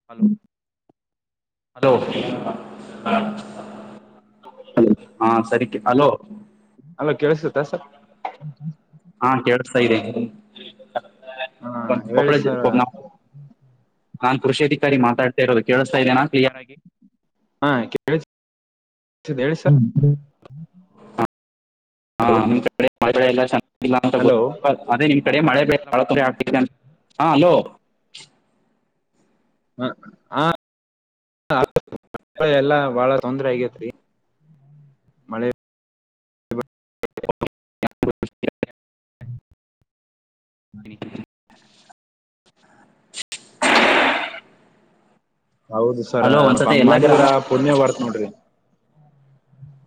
[unintelligible] Hello hello ಹ [unintelligible] ಹಾ ಹ ಸರಿಕ ಹಲೋ ಹಲೋ ಕೆಳಸ್ತೇತ ಸರ್ ಹಾ ಕೇೇಳಸ್ತಾ ಇದೆ [unintelligible] [unintelligible] ಹಾ ಒಂದು ಕೊಳ ಹೇಳಿ ಸರ್ [unintelligible] ನಾನ್ ಕೃಷಿ ಅಧಿಕಾರಿ ಮಾತಾಡ್ ಇರದು ಕೇಳಿಸತಾ ಇದನಾ ಕ್ಲಿಯರ್ ಆಗಿ. ಹಾ ಕೇಳಸ್ತಿದೆ [unintelligible] ಹೇಳಿ ಹ ಸರ್ [unintelligible] ಹ ಹಾ ಹಲೋ ನಿಮ್ ಕಡೆ ಎಲ್ಲ ಚೆನ್ನ ಅಂತ ಹಲೋ ಗೊತ್ತು ಅದೇ ನಿಮ್ ಕಡೆ ಮಳೆ [unintelligible] [unintelligible] ಹಾ ಹಲೋ ಹ ಹ [unintelligible] ಎಲ್ಲಾ ಬಾಳ ತೊಂದ್ರ ಆಗೇತ್ರಿ ಮಳೆ [unintelligible] [unintelligible] ಹೌದು ಸರ್ ಹಲೋ ಸ್ವಲ್ಪ ಒಂದ್ಸತಿ ಹಂಗ ಎಲ್ಲಾ ಮಾಡಿದ್ರ, ಗ್ರಾಮ ಪೂಣ್ಯಾ ಬರುತ್ತೆ ನೋಡ್ರಿ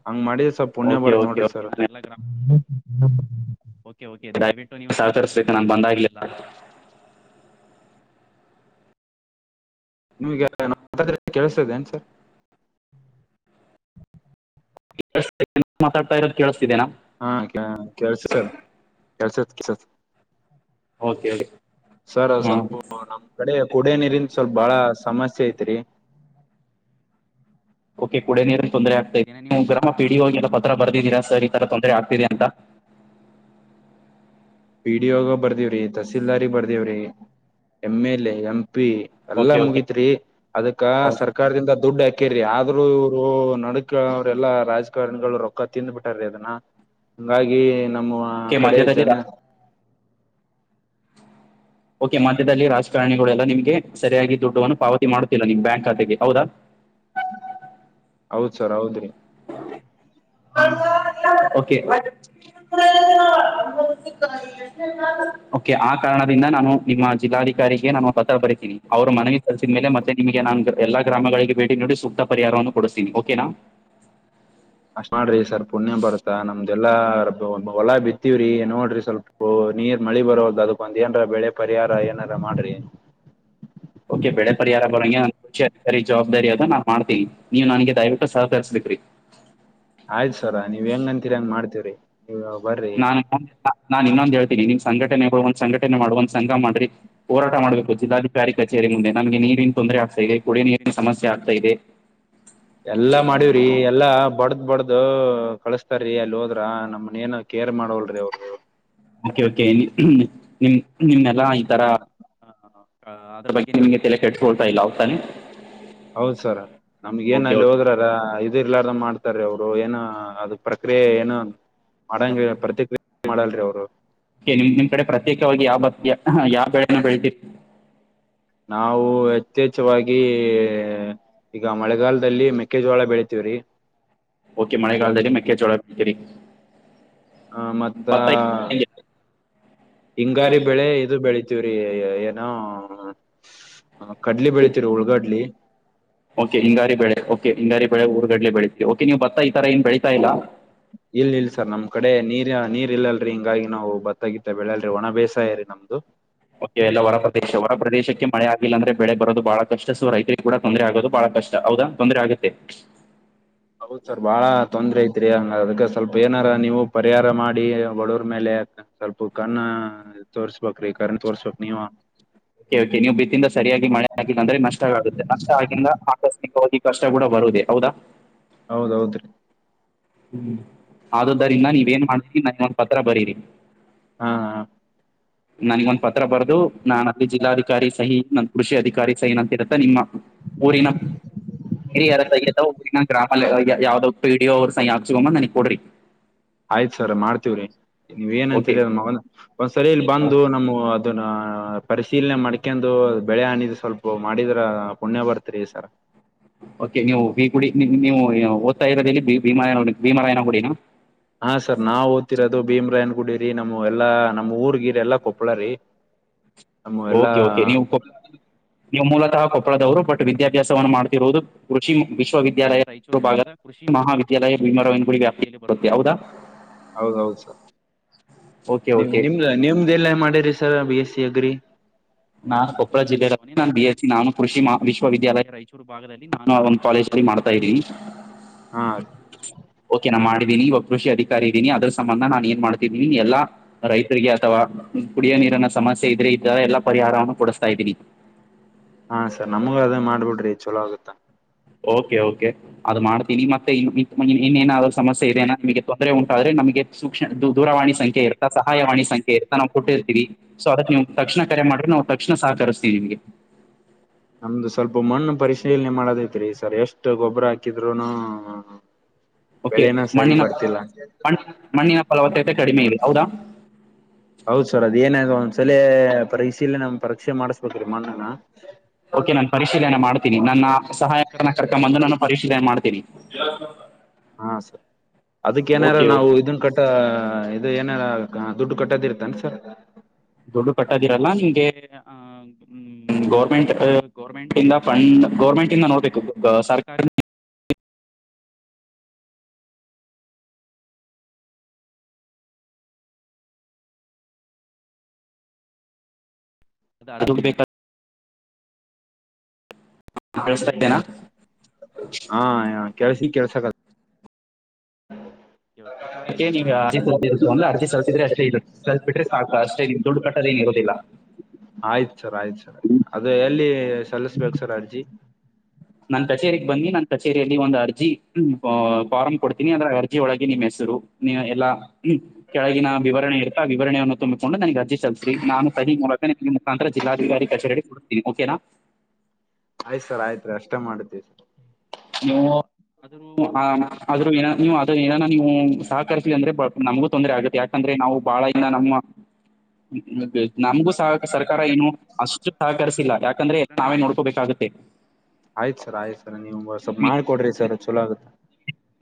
ಹಂಗ ಮಾಡಿದ್ರ ಸ್ವಲ್ಪ ಪುಣ್ಯ ಓಕೆ ಬರ್ತ್ ಓಕೆ ನೋಡ್ರಿ ಕೆ ಸರ್ ನಾನ್ ಎಲ್ಲ ಗ್ರಾಮ [unintelligible] [unintelligible] ಕೆ ಕೆ ದಯವಿಟ್ಟು ನೀವು ಸಹಕರಿಸ್ಬೇಕು ನಾನ್ ಬಂದಾಗ್ಲೇಲಾ ನಿಮಗ ನಾನ್ ಮಾತಾಡೋದು ಕೇಳ್ಸ್ತೀದ್ಯಾ ಏನ್ ಸರ್ ಕೇಳ್ಸ್ತೀದೆ ನಾನ್ ಮಾತಾಡ್ತಾ ಇರೋದು ಕೇಳಿಸ್ತಿದೇನಾ ಅಣ್ಣ ಹಾ ಕೆಳ್ಸತ್ ಕೆಳ್ಸತ್ ಕೇಳ್ಸ್ತೀದೆ ಓಕೆ ಓಕೆ ಸರ್ ಹಾ ಸ್ವಲ್ಪ ನಮ ಈ ಕಡೆ ಕುಡಿಯೋ ನೀರಿಂದ ಸ್ವಲ್ಪ ಬಾಳ ಸಮಸ್ಯೆ ಐತ್ರಿ. ಓಕೆ ಕುಡಿಯೋ ನೀರಿಗೆ ತೊಂದರೆ ಆಗ್ತದೆ ನೀವು ಗ್ರಾಮ ಪೀಡಿಯೋ ಎಲ್ಲ ಪತ್ರ ಬರ್ದೀರಾ ಸರ್ ಈ ತರ ತೊಂದರೆ ಆಗ್ತಿದೆ ಅಂತ? ಪಿ ಡಿ ಯೋಗ ಬರ್ದಿವಿ ರಿ ತಹಸೀಲ್ದಾರಿ ಬರ್ದಿವಿ ರಿ M L A M P ರಿ ಎಲ್ಲಾ ಓಕೆ ಓಕೆ ಮುಗಿತ್ರಿ ಅದಕ್ಕ ಸರ್ಕಾರಕ ಸರ್ಕಾರದಿಂದ ದುಡ್ ಹಾಕೇರಿ ಆದ್ರು ಇವ್ರು ನಡಕ ಅವ್ರೆಲ್ಲಾ ರಾಜಕಾರಣಿಗಳು ರೊಕ್ಕ ತಿಂದ್ ಬಿಟ್ಟಾರೀ ಅದನ್ನ. ಹಂಗಾಗಿ ನಮ್ಮ ಓಕೆ ಕಡೆ ಮಧ್ಯದಲ್ಲಿ ರಾ ಜನ ಓಕೆ ಮಧ್ಯದಲ್ಲಿ ರಾಜಕಾರಣಿಗಳುಲ್ಲ ನಿಮ್ಗೆ ಸರಿಯಾಗಿ ದುಡ್ಡವನ್ನು ಪಾವತಿ ಮಾಡ್ತಿಿಲ್ಲಾ ನಿಮ್ ಬ್ಯಾಂಕ್ ಖಾತೆಗೆ ಹೌದಾ ಹೌದ್ ಸರ್ ಹೌದ್ರಿ ಓಕೆ ಆ ಕಾರಣದಿಂದ ನಾನು ನಿಮ್ಮ ಜಿಲ್ಲಾಧಿಕಾರಿಗೆ ನಾನು ಪತ್ರ ಬರಿತೀನಿ ಅವ್ರ ಮನವಿ ಕರ್ಸಿದ ಮೇಲೆ ಮತ್ತೆ ನಿಮಗೆ ನನ್ ಎಲ್ಲಾ ಗ್ರಾಮಗಳಿಗೆ ಭೇಟಿ ನಡಿ ಸೂಕ್ತ ಪರಿಹಾರವನ್ನು ಕೊಡಿಸತನಿ ಓಕನಾ ಅಷ್ಟ್ ಮಾಡ್ರಿ ಸರ್ ಪುಣ್ಯ ಬರ್ತಾದ ನಮ್ದೆಲ್ಲಾರದು ಹೊಲ ಬಿತ್ತೀವ್ರಿ ನೋಡ್ರಿ ಸ್ವಲ್ಪ ಓ ನೀರ್ ಮಳಿ ಬರವಲ್ಲದ ಅದಕ್ಕೊಂದ ಏನಾರ ಬೆಳೆ ಪರಿಹಾರ ಏನಾರ ಮಾಡ್ರಿ ಓಕೆ ಬೆಳೆ ಪರಿಹಾರ ಬರೋ ಹಾಗೆ ನಂಗೆ ಕೃಷಿ ಅಧಿಕಾರಿ ಜವಾಬ್ದಾರಿ ಅದ ನಾ ಮಾಡ್ತೀನಿ ನೀವ್ ನನ್ಗೆ ದಯವಿಟ್ಟು ಸಹಕರಿಸ ಬೇಕ್ರಿ ಆಯ್ತು ಸರ ನೀವ್ ಹೆಂಗ ಅಂತೀರಿ ಹೆಂಗ ಮಾಡ್ತೀವ್ರಿ ನೀವ್ ಬರ್ರಿ ನಾನ್ ನಾನ್ ಇನ್ನೊಂದ್ ಹೇಳ್ತೀನಿ ನೀಮ್ ಸಂಘಟನೆಗಳು ಒಂದ್ ಸಂಘಟನೆ ಮಾಡ ಒಂದ್ ಸಂಘ ಮಾಡ್ರಿ ಹೋರಾಟ ಮಾಡ್ಬೇಕು ಜಿಲ್ಲಾಧಿಕಾರಿ ಕಚೇರಿ ಮುಂದೆ ನಮಗೆ ನೀರಿನ ತೊಂದರೆ ಆಗ್ತಾ ಇದೆ ಕುಡಿಯುವ ನೀರಿನ ಸಮಸ್ಯೆ ಆಗ್ತಾ ಇದೆ ಎಲ್ಲ ಮಾಡಿವಿ ಹೆ ಎಲ್ಲಾ ಬಡ್ದ್ ಬಡ್ದ ಕಳಸ್ತಾರ್ ರೀ ಅಲ್ಲಿ ಹೋದ್ರ ನಮ್ಗ ಏನ ಕೇರ್ ಮಾಡವಲ್ರಿ ಅವ್ರು ಒಕೆ ಒಕೆ ನಿಮ ನಿಮ್ಮನ್ನೆಲ್ಲಾ ಈ ತರ ಹ ಅದ್ರ ಬಗ್ಗೆ ನಿಮ್ಗೆಲ ತಲೆಕೆಟ್ಟಸ್ಕೊಳ್ತಾ ಇಲ್ಲ ಹೌದ ತಾನೇ ಹೌದ್ ಸರ ನಮ್ಗ ಏನ ಅಲ್ಲಿ ಹೋದ್ರಾರ ಇದ್ದು ಇರಲಾರ ದಂಗೆ ಮಾಡ್ತಾರೆ ಅವ್ರು ಏನು ಅದ ಪ್ರಕ್ರಿಯೆ ಏನು ಮಾಡಂಗ ಪ್ರತಿಕ್ರಿಯ ಮಾಡಲ್ರಿ ಅವ್ರ ನಿಮ್ ನಿಮ್ ಕಡೆ ಪ್ರತ್ಯೇಕವಾಗಿ ಯಾವ ಯಾವ ಬೆಳೆನ ಬೆಳಿತಿರಿ ನಾವು ಯಥೇಚ್ವಾಗಿ ಈಗ ಮಳೆಗಾಲದಲ್ಲಿ ಮೆ ಮೆಕ್ಕೆ ಜೋಳ ಬೆಳಿತಿವ್ರೀ ಓಕೆ ಮಳೆಗಾಲದಲ್ಲಿ ಮೆಕ್ಕೆಜೊಳ ಬೆಳಿತಿರಿ ಹ ಮತ್ತ ಹಿಂಗಾರಿ ಬೆಳೆ ಇದು ಬೆಳಿತಿವಿ ಬಿತ್ತತಿವ್ರೀ ಏನೋ ಕಡ್ಲಿ ಬೆಳತಿವರಿ ಉಳ್ಗಡ್ಲಿ ಓಕೆ ಹಿಂಗಾರಿನ ಬೆಳೆ ಓಕೆ ಹಿಂಗಾರಿ ಬೆಳೆ ಹುರಿಗಡಲೆ ಬೆಳೀತಿರಿ ಓಕೆ ನೀವು ಭತ್ತ ಈರ ಏನ್ ಬೆಳೀತಾ ಇಲ್ಲ [unintelligible] ಇಲ್ ಇಲ್ ಸರ್ ನಮ್ ಕಡೆ ನೀರ್ ನೀರ್ ಇಲ್ಲಲ್ರರಿ ಹಿಂಗಾಗಿ ನಾವು ಬತ್ತಗತ್ತ ಬೆಳಲ್ರಿ ಒಣ ಬೇಸಾಯರಿ ನಮ್ದು ಕೆ ಎಲ್ಲ ಹೊರ ಪ್ರದೇಶ ಹೊರ ಪ್ರದೇಶಕ್ಕೆ ಮಳೆ ಆಗಿಲ್ಲ ಅಂದ್ರೆ ಬೆಳೆ ಬರದು ಬಹಳಷ್ಟ ಸು ರೈತರಿಗೆ ಕೂಡ ತೊಂದರೆ ಆಗೋದು ಬಹಳ ಕಷ್ಟ ಹೌದಾ ತೊಂದ್ರರೆ ಆಗತ್ತೆ ಹೌದ ಸರ್ ಬಾಳ ತೊಂದ್ರೆ ಐತ್ರಿ ಅದಕ್ಕೆ ಸ್ವಲ್ಪ ಏನಾರ ನೀವು ಪರಿಹಾರ ಮಾಡಿ ಬಡವರ್ ಮೇಲೆ ಸ್ವಲ್ಪ ಕಣ್ಣ ತೋರ್ಸ್ಬೇಕ್ರಿ ಕರೆನ್ ತೋರ್ಸ್ಬೇಕ್ ರಿ ನೀವ ಒ ಕೆ ನೀವು ಬಿತ್ತಿಂದ ಸರಿಯಾಗಿ ಮಳೆ ಆಗಿಲ್ಲಂದ್ರೆ ನಷ್ಟ ಆಗುತ್ತೆ ನಷ್ಟ ಆಗಿಂದ ಆಕಸ್ಮಿಕವಾಗಿ ಕಷ್ಟ ಕೂಡ ಬರುದೇ ಹೌದಾ ಹೌದೌದ್ರೀ ಹ್ಮ್ ಆದುದ್ದರಿಂದ ನೀವ ಏನ್ ಮಾಡ್ತೀರಿ ನನಗೊಂದು ಪತ್ರ ಬರೀರಿ ಹಾ ನನ್ಗ ಒಂದ್ ಪತ್ರ ಬರ್ದು ನಾನ್ ಅಲ್ಲಿ ಜಿಲ್ಲಾಧಿಕಾರಿ ಸಹಿ ನನ್ ಕೃಷಿ ಅಧಿಕಾರಿ ಸೈನ್ ಅಂತಿರುತ್ತ ನಿಮ್ಮ ಊರಿನ ಇ ಯಾರ ಇ ಊ ನ ಗ್ರಾಮ ಯಾವ್ದ್ ಪೀಡಿಯೋ್ ಸಹ ಹಾಚ್ಕೊಂಬ ನನಗ್ ಕೊಡ್ರಿ ಆಯ್ತ ಸರ್ ಮಾಡ್ತೀವ್ರಿ ನೀವ್ ಏನಂತ ಓಕೆ ಅ ಒಂದ ಒಂದ್ ಸರಿಲ್ ಬಂದು ನಮ್ಮ ಅ ಪರಿಶೀಲನೆ ಮಾಡ್ಕಂದುು ಬೆಳೆ ಹಾನಿದ ಸ್ವಲ್ಪ ಮಾಡಿದ್ರ ಪುಣ್ಯ ಬರ್ತ್ರಿ ಸರ್ ಓಕೆ ನೀವು ಈ ಕುುಡಿ್ ನೀವು ಓದ್ತಾ ಇರೋದಲ್ಲಿ ಭೀಮ ಭೀಮ ರಾಯನುಡಿನ ಹಾ ಸರ್ ನಾವ ಓದ್ತಿರೋದು ಭೀಮ್ರಾಯನ್ ಗುಡಿರಿ ನಮ್ಮ ಎಲ್ಲಾ ನಮ್ಮ ಊರ್ಗಿರಿ ಎಲ್ಲಾ ಕೊಪ್ಳರೀ. ನಮ್ಮೂ ಎಲ್ಲಾ ಓಕೆ ಓಕೆ ನೀವು ಕೊ ನೀವು ಮೂಲತಃ ಕೊಪ್ಪಳದವರು ಬಟ್ ವಿದ್ಯಾಭ್ಯಾಸವನ್ನು ಮಾಡ್ತಿರುದು ಕೃಷಿ ವಿಶ್ವವಿದ್ಯಾಲಯ ರಾಯಚೂರು ಭಾಗದ ಕೃಷಿ ಮಹಾವಿದ್ಯಾಲಯ ಭೀಮರಾಯಣಡಿ ವ್ಯಾಪ್ತಿಯಲ್ಲಿ ಬರುತ್ತೆ ಹೌದಾ. ಹೌದೌದ ಸ ಓಕೆ ಓಕೆ ನಿಮ್ದ ನಿಮ್ದ ಎಲ್ಲ ಮಾಡಿರೀ sir B S C agri. ನಾನ್ ಕೊಪ್ಪಳ ಜಿಲ್ಲ ರ ನಾನ್ ಬಿ ಎಸ್ ಸಿ ನಾನು ಕೃಷಿ ವಿಶ್ವವಿದ್ಯಾಲಯ ರಾಯಚೂರು. ಭಾಗದಲ್ಲಿ ನಾನು ಆ ಒಂದ ಕಾಲೇಜ್ ಅಲ್ಲಿ ಮಾಡ್ತಾ ಇದೀನಿ. ಹಾ ಓಕೆ ನಾ ಮಾಡಿದ್ದೀನೀ ಇವ ಕೃಷ ಅದಿಕಾರಿ ಇದೀನಿ ಆದ್ರ ಸಂಬಂಧ ನಾನ ಏನ್ ಮಾಡ್ತಿದೀನಿ ಎಲ್ಲ ರೈತರಿಗೆ ಅಥವಾ ಕುಡಿಯೋ ನೀರಿನ ಸಮಸ್ಯೆ ಇದ್ರೆ ಇದರ ಎಲ್ಲಾ ಪರಿಹಾರವನ್ನ ಕೊಡಸ್ತಾ ಇದ್ದೀನಿ. ಹಾ ಸರ್ ನಮಗು ಅದ ಮಾಡ್ಬಿಡ್ರಿ ಚಲೋ ಆಗತ್ತಾ. ಓಕೆ ಓಕೆ ಅದ ಮಾಡ್ತೀನಿ ಮತ್ತೆ ಇನ್ ಇನ್ನೇನಾದ್ರು ಸಮಸ್ಯೆ ಇದೆನ ನಿಮಗೆ ತೊಂದರೆ ಉಂಟಾದ್ರೆ ನಮಗೆ ಸೂಕ್ಷ್ಮ ದೂರವಾಣಿ ಸಂಖ್ಯೆ ಇರ್ತಾ ಸಹಾಯವಾಣಿ ಸಂಖ್ಯೆ ನಾವ ಕೊಟ್ಟಿರ್ತೀವಿ ಸೊ ಅದಕ ನೀವ ತಕ್ಷಣ ಕರೆ ಮಾಡ್ರೆ ನಾವು ತಕ್ಷಣ ಸಹಕರಿಸ್ತೀವಿ ನಿಮಗೆ ನಮ್ದ ಸ್ವಲ್ಪ ಮಣ್ಣ ಪರಿಶೀಲನೆ ಮಾಡದತ್ರಿ ಸರ್ ಎಷ್ಟ ಗೊಬ್ಬರ ಹಾಕಿದ್ರುನು ಓಕೆ ಬೆಳೆನ ಸರಿ ಮಣ್ಣಿನ ಬರ್ತಿಲ್ಲ. ಮಣ್ಣಿನ ಮಣ್ಣಿನ ಫಲವತ್ತತೆ ಕಡಿಮೆ ಇದೆ ಹೌದಾ. ಹೌದ ಸರ್ ಅದ ಏನ ಒಂದ್ಸಲೇ ಪರೀಶೀಲನೆ ಪರಕ್ಷೆ ಮಾಡಿಸಬೇಕ್ರೀ ಮಣ್ಣನ ಓಕೆ ನಾನ ಪರಿಶೀಲನೆ ಮಾಡ್ತೀನಿ ನನ್ನ ಸಹಾಯಕರನ ಕರ್ಕೊಂಡ ಬಂದ ನಾನ ಪರಿಸಿಲನೆ ಮಾಡ್ತೀನಿ. [unintelligible] ಹಾ ಸರ್ ಅದಕ್ಕ ಏನಾರ ಓಕೆ ನಾವ ಓಕೆ ಇದನ್ ಕಟ್ಟ ಟ್ಟ ಇದ ಏನ ದುಡ್ಡ ಕಟ್ಟೋದ ಇರ್ತನ ಸರ್ ದುಡ್ಡ ಕಟ್ಟದಿರಲ್ಲ ನಿಮ್ಗೆ ಆ ಹ್ಮ ಗೌರ್ಮೆಂಟ್ ಗೌರ್ಮೆಂಟ್ಂದ ಫಂಡ್ ಗೌರ್ಮೆಂಟ್ ಇಂದ ನೋಡಬೇಕು ಸರ್ಕಾರ ಅದ ಅರ್ದುಡ್ ಬೇಕ ಕೇಳಿಸ್ತಾ ಇದೆನಾ ಹಾ ಕೆಳ್ಸಿ ಈ ಕೆಳ್ಸಕ ನೀವ ಅರ ಸಲ್ ಒಂದ ಅಜಿ ಸಲ್ಸಿದ್ರೆ ಇಷ್ಟೇ ಇ ಸಲ್ ಬಿಟ್ರೆ ಸಾಕು ಅಷ್ಟೇ ದುಡ್ಡ ಕಟ್ಟದೇನ ಇರೋದಿಲ್ಲ. ಆಯ್ತ ಸರ್ ಆಯ್ತ ಸರ್ ಅದ ಎಲ್ಲಿ ಸಲ್ಲಿಸ್ಬೇಕ ಸರ್ ಅರ್ಜಿ. ನನ್ ಕಚೇರಿಗ್ ಬನ್ನಿ ನನ್ ಕಚೇರಿಯಲ್ಲಿ ಒಂದ ಅರ್ಜಿ ಅ ಫಾರ್ಮ್ ಕೊಡ್ತೀನಿ ಅಂದ್ರೆ ಅರ್ಜಿ ಒಳಗೆ ನಿಮ್ಮ ಹೆಸರು ನೀ ಎಲ್ಲಾ ಕೆಳಗಿನ ವಿವರಣೆ ಇ ವಿವರಣೆಯನ್ನು ತುಂಬಿಕೊಂಡು ನನಗ ಅರ್ಜಿ ಸಲ್ಸಿ ನಾನು ಸಿ ಮೂವ ನಿ ಮುಖಾಂತರ ಜಿಲ್ಲಾದಿಕಾರಿ ಕಚೇರಿ ದಿ ಓಕೆನಾ. ಆಯ್ತ ಸರ್ ಆಯ್ತ್ರಿ ಅಷ್ಟ ಮಾಡತುರಿ. ನು ಅದನ್ನು ಅ ಆದ್ರೂನು ಅ ಏನ ನೀವು ಸಹಕರಿಸ್ಲಿ ಅಂದ್ರೆ ನಮಗು ತೊಂದರೆ ಆಗುತ್ತೆ ಯಾಕಂದ್ರೆ ನಾವು ಬಾಳ ಇಂದ ನಮ್ಮ [unintelligible] ನಮ್ಗೂ ಸಹ ಸರ್ಕಾರ ಏನು ಅಷ್ಟು ಸಹಕರಿಸಿಲ್ಲ ಯಾಕಂದ್ರೆ ನಾವೇ ನೋಡ್ಕೋಬೇಕಾಗತ್ತೆ. ಆಯ್ತ ಸರ್ ಆಯ್ತ ಸರ್ ನೀವು ಸ್ವಲ್ಪ ಮಾಡ ಕೋಡ್ರಿ ಸರ್ ಚಲೋ ಆಗತ್ತ.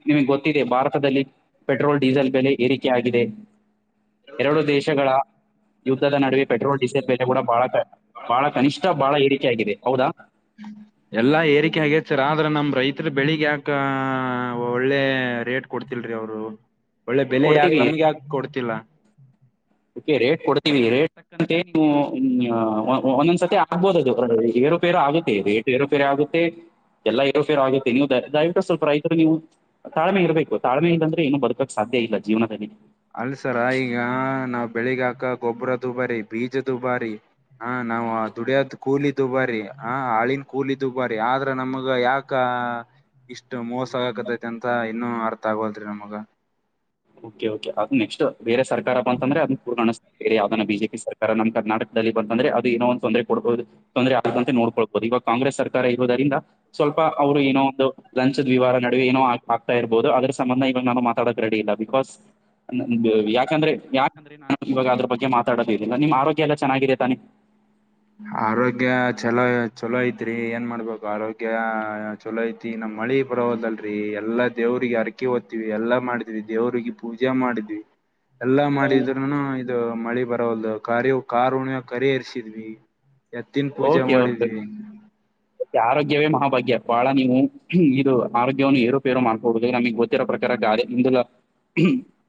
ನಿಮ್ಗ ಗೊತ್ತಿದೆ ಭಾರತದಲ್ಲಿ ಪೆಟ್ರೋಲ್ ಡೀಸೆಲ್ ಬೆಲೆ ಏರಿಕೆ ಆಗಿದೆ. ಎರಡು ದೇಶಗಳ ಯುದ್ಧದ ನಡುವೆ ಪೆಟ್ರೋಲ್ ಡೀಸೆಲ್ ಬೆಲೆ ಕೂಡ ಬಳ ಕ ಬಾಳ ಕನಿಷ್ಠ ಬಾಳ ಏರಿಕೆ ಆಗಿದೆ ಹೌದಾ. ಎಲ್ಲಾ ಏರಿಕೆ ಆಗೆತ ಸರ್ ಆದ್ರ ನಮ್ ರೈತರ ಬೆಳಿಗ ಯಾಕ ಒಳ್ಳೆ ರೇಟ್ ಕೊಡ್ತಿಲ್ರಿ ಅವ್ರು ಒಳ್ಳೆ ಬೆಲೆ ಯಾಕ ಕೊಡ್ತೀವಿ ನಮ್ಗ ಯಾಕ ಕೊಡ್ತಿಲ್ಲ. ಕ್ಕೆ ರೇಟ್ ಕೊಡ್ತೀವಿ ರೇ ನೀ ಒಂದೊಂದ್ಸತಿ ಆಗ್ಬೋದದು ಏರುಪೇರು ಆಗುತ್ತೆ ಇದೆ ಏರೋಫೇರ ಆಗುತ್ತೆ ಎಲ್ಲ ಇರೋಫೇರೋ ಆಗುತ್ತೆ ನೀವು ದ ದಯವಿಟ್ಟು ಸ್ವಲ್ಪ ರೈತ್ ನೀವು ತಾಳ್ಮೆ ಇರ್ಬೇಕು ತಾಳ್ಮೆ ಇಲ್ಲ ಅಂದ್ರೆ ಏನು ಬರ್ಕಕ್ ಸಾಧ್ಯ ಇಲ್ಲ ಜೀವನದಲ್ಲಿ ಅಲ್ಸರ ಈಗ ನಾವ್ ಬೆಳಿಗಿ ಹಾಕ ಗೊಬ್ಬರದುಬಾರಿ ಬೀಜ ದುಬಾರಿ ಹಾ ನಾವವು ದುಡಿಯದ್ ಕೂಲಿದ್ದು ಬಾರಿ ಹ ಹಳನ್ ಕೂಲಿದ್ದು ಬಾರಿ ಆದ್ರ ನಮಗ ಯಾಕ ಅಕ್ಕ ಇಷ್ಟು ಮೋಸ ಆಕತೈತಿ ಅಂತ ಇನ್ನುೂ ಅರ್ಥ ಆಗೋಲ್ರಿ ನಮಗ ಓಕೆ ಕೆ ಅ ನೆಸ್ಟ್ ಬೇರೆ ಸರ್ಕಾರಪ್ಪ ಅಂದ್ರ ಅದನ್ನ ಕೂರ್ಗಿಸ್ತ ಬೇರೆ ಯಾವ್ದದ ಬಿಜೆಪಿ ಸರ್ಕಾರ ನಮ್ಮ ಕರ್ನಾಟದಲ್ಲಿ ಬಂತಂದ್ರೆ ಅದು ಏನ ಒಂದ ತೊಂದರೆ ಕೊಡೋುದುೊಂದರೆ ಆಗ ಅಂತೆ ನೋಡ್ಕೊ ಈವಾಗ ಕಾಂಗ್ರೆಸ್ ಸರ್ಕಾರ ಇರವುದರಿಂದ ಸ್ವಲ್ಪ ಅವ್ರು ಏನೋ ಒಂದು ಲಂಚ್ ದ್ವಾರ ನುವೆ ಏನ ಆಗ್ತಾ ಇಬಹ ಅದರ ಸಂಬಂ ಇಾಗ ನು ಮಾತಾಡದ ರೆಡಿ ಇಲ್ಲ ಬ ಯಾಕಂದ್ರೆ ಯಾಕಂದ್ರೆ ನಾನ ಇವಾಗ ಅದ್ರ ಬಗ್ಗೆ ಮಾತಾಡದ ಇಲ್ಲ ನಿಮ್ಮ ಆರೋಗ್ಯ ಎಲ್ಲ ಚೆನ್ನಾಗಿದೆ ತಾನೆ ಆರೋಗ್ಯ ಚಲೋ ಚಲೋ ಐತ್ರಿ ಏನ್ ಮಾಡ್ಬೇಕು ಆರೋಗ್ಯ ಚಲೋ ಐತಿ ನಮ್ಮ್ ಮಳಿ ಬರಹದಲ್ರರಿ ಎಲ್ಲಾ ದೇವ್ರಿಗೆ ಹ ಅರಕೆ ಓದ್ತಿವಿ ಎಲ್ಲ ಮಾಡಿದತಿವಿ ದೇವ್ರಿಗೆ ಪೂಜಾ ಮಾಡಿದ್ವಿ ಎಲ್ಲಾ ಮಾಡಿದ್ರರುನು ಇದು ಮಳಿ ಬರವಲ್ದು ಕ ಕಾರ್ ಉಣಿವ ಕರಿ ಎರ್ಸಿದ್ವಿ ಎತ್ತಿನ ಪೂಜೆ ಓಕೆ ಕೆ ಮಾಡಿದ್ವಿ ಮತ್ತೆ ಆರೋಗ್ಯವೇ ಮಹಾಭಾಗ್ಯ ಬಹಳ ನೀವು ಇದು ಆರೋಗ್ಯವನ್ನು ಏರುಪೇರು ಮಾಡ್ಕೊಬುದು ನಮಗ್ ಗೊತ್ತ ಇತ್ತರ ಪ್ರಕಾರ ಕಾರ್ಯ ಮುಲ್ಲ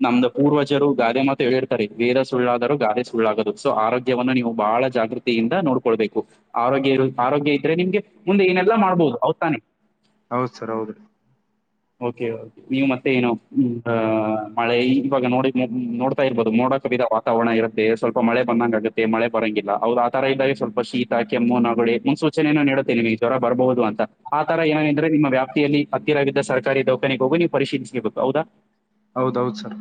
ನಮ್ದ ಪೂರ್ವಜರು ಗಾದೆ ಮಾತ್ರ ಹೇಳಿರ್ತಾರೆ ವೇದ ಸುಳ್ಳಾದರೂ ಗಾದೆ ಸುಳ್ಳಾಗದು ಸೊ ಆರೋಗ್ಯವನ್ನು ನೀವು ಬಹಳ ಜಾಗೃತಿ ನೋಡ್ಕೊಳ್ಬೇಕು ಆರೋಗ್ಯ ಇ ಆರೋಗ್ಯ ಇದ್ರೆ ನಿಮ್ಗೆ ಮುಂದೆ ನೆಲ್ಲಾ ಮಾಡ್ಬಹುದು ಅವತಾನೆೆ ಹೌದ್ ಸರ್ ಹೌದ್ರಿ ನೀವು ಮತ್ತೆ ಏನು ಹ್ಮ್ ಮಳೆ ಇವಾಗ ನೋಡಿ ನೋಡ್ತಾ ಇರ್ಬೋದು ನೋಡಕ ಬಿದ ತಗಣ ಇರುತ್ತೆ ಸ್ವಲ್ಪ ಮಳೆ ಬಂದಂಗ ಆಗುತ್ತೆ ಮಳೆ ಬರಂಗಿಲ್ಲ ಹೌ ಆ ತರದಿಂದಾಗಿ ಸ್ವಲ್ಪ ಶೀತ ಕೆಮ್ಮು ನಗಡಿ ಮುನ್ಸೂಚನೆೆಯ ನೀಡುತ್ತೆ ನಿಮಗ್ ಜ್ವರ ಬರಬಹುದು ಅಂತ ಆ ತರ ಏನ ನಿಮ್ಮ ವ್ಯಾಪ್ಯಲ್ಲಿತ್ತಿರವಿದ್ದ ಸರ್ಕಾರಿ ದೌಖಾನಗೆ ಹೋಗಿ ನೀವು ಪರಿಶೀಲಿಸಬೇಕು ಹೌದಾ ಹೌದೌದ್ ಸರ್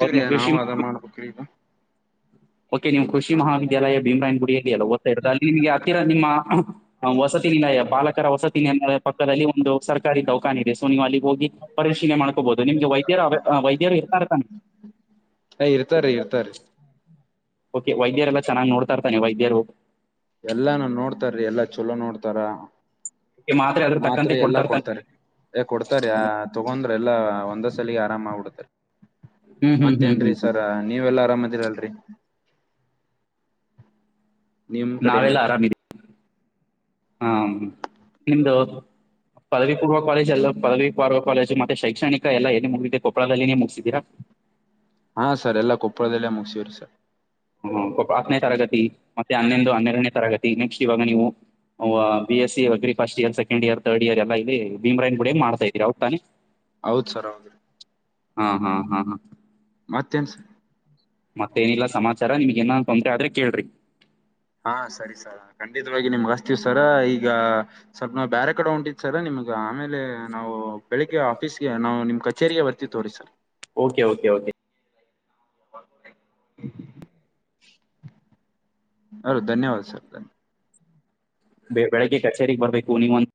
ಅವಾಗ ನೀವು ನಾವ್ ಕೃಷಿ ಅದ ಮಾಡ್ಬೇಕ್ರೀ ಈಗ ಓಕೆ ನೀವು ಕೃಷಿ ಮಹಾವಿದ್ಯಾಲಯ ಭೀಮ್ರಾಯನ್ ಗುಡಿಯಲ್ಲಿಲ್ಲ ಓ್ತಾ ಇ್ದದ ಅಲ್ಲಿ ನಿಮಗೆ ಹತ್ತಿರ ನಿಮ್ಮ ವಸತಿ ನಿಲಯ ಬಾಲಕರ ವಸತಿ ನಿಲಯ ಪಕ್ಕದಲ್ಲಿ ಒಂದು ಸರ್ಕಾರಿ ಡೌಖಾನ್ ಇದೆ ಸೊ ನೀವು ಅಲ್ಲಿ ಹೋಗಿ ಪರಿಶೀಲನೆ ಮಾಡ್ಕೋಬಹುದು ನಿಮ್ಗೆ ವೈದ್ಯರು ವೈದ್ಯ ಯರು ಇರ್ತಾ ಇತಾನ ಹ ಇರ್ತಾರ ಇರ್ತಾರೀ ಓಕೆ ವೈದ್ಯರುಲ್ಲ ಚನ್ನಾಗಿ ನೋಡ್ತ ಇರ್ತೆ ವೈದ್ಯರು ಎಲ್ಲಾನ ನೋಡ್ತಾರೀ ಎಲ್ಲಾ ಚಲೋ ನೋಡ್ತಾರ ಓಕೆ ಅದ್ರ ಮಾತ್ರೆ ತಕ್ಕಂತೆ ಎಲ್ಲಾ ಕೊಡ್ತಾ ಇರ್ತಾನೆ ಕೊಡ್ತಾರ ಕೊಡ್ತಾರ ತಗೊಂಡ್ರ ಎಲ್ಲಾ ಒಂದ ಸಲಿಗೆ ಆರಾಮಗ್ಬಿಡ್ತಾರ ಹ್ಮ್ ಹ್ಮ್ ಹ್ಮ್ ಹ್ಮ್ ಮತ್ತೇನ್ರೀ ಹ್ಮ್. ಸರ್ ನೀವೆಲ್ಲಾ ಆರಾಮದಿರಲ್ರಿ ನಾವೆಲ್ಲಾರಾಮೀವಿ [inaudible] ಹಾ ನಿಮ್ದು ಪದವಿ ಪೂವ ಕಾಲಜ ಎಲ್ಲ ಪದವಿ ಪರ್ವ ಕಾಲೇಜು ಮತ್ತೆ ಶೈಕ್ಷಣಿಕ ಎಲ್ಲ ಏ ಮುಗಿದೆ ಕೊಪ್ಪಳದಲ್ಲಿನೇ ಮುಗಿಸಿದ್ದೀರಾ ಹಾ ಸರ್ ಎಲ್ಲ ಕೊಪ್ಪಳದಲ್ಲೇ ಮುಗಿಸವ್ರರಿ ಸರ್ ಹ ಹತ್ತನೇ ತರಗತಿ ಮತ್ತೆ ಹನ್ನೊಂದು ಹನ್ನೆರಡನೇ ತರಗತಿ ನೆಕ್ಸ್ಟ್ ಇವಾಗ ನೀವು B S C agri first year second year third year second ಇಯರ್ಡ್ year ಎಲ್ಲ ಇಲ್ಲಿ ಭೀಮರಾಯನ ಗುಡಿ ಮಾಡ್ತ ಇದೀರಿ ಹೌದು ತಾನೆ ಹೌದ್ ಸರ್ ಹೌದ್ರೀ ಹಾ ಹಾ ಹಾ ಹಾ ಮತ್ತೆನ್ಸ.. ಮತ್ತೇನಿಲ್ಲ ಸಮಾಚಾರ ನಿಮ್ಗೆಏನ ತೊಂದ್ರೆ ಆದ್ರೆ ಕೇಳ್ರಿ. ಹಾ ಸರಿ ಸರ್ ಖಂಡಿತವಾಗಿ ನಿಮ್ಗೆ ಹಸ್ತೀವಿ ಸರ ಈಗ. ಸ್ವಲ್ಪ ನಾವ್ ಬೇರೆ ಕಡೆ ಉಂಟತ್ ಸರ ನಿಮ್ಗ ಆಮೇಲೆ ನಾವು ಬೆಳಿಗ್ಗೆ ಆಫೀಸ್ಗೆ ನಾ್ ನಿಮ್ ಕಚೇರಿಗೆ ಬರ್ತೀವಿ.. ತೋರಿ ಸರ್. Okay okay okay. ಅ ಧನ್ಯವಾದ ಸರ್ಧನ್. ಬೆ ಬೆಳಿಗ್ಗೆ ಕಚೇರಿಗೆಗ್ ಬರ್ಬೇಕು ನೀವ ಒಂದು.